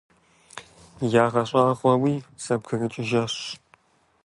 ЯгъэщӀагъуэуи зэбгрыкӀыжахэщ.